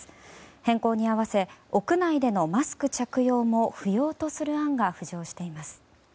変更に合わせ屋内でもマスク着用を不要とする案が浮上しています。